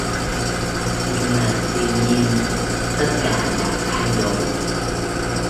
Nhưng mà Tuy nhiên tất cả đã thay đổi